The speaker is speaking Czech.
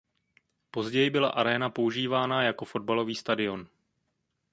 Později byla aréna používána jako fotbalový stadion.